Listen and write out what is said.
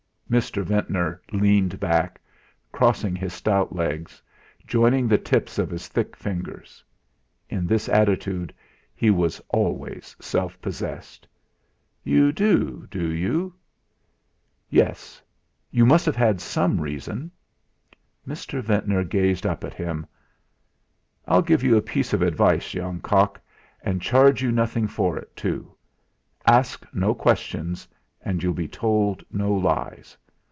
Mr. Ventnor leaned back, crossing his stout legs, joining the tips of his thick fingers. In this attitude he was always self possessed. "You do do you?" "Yes. You must have had some reason." Mr. Ventnor gazed up at him. "I'll give you a piece of advice, young cock, and charge you nothing for it, too: Ask no questions, and you'll be told no lies.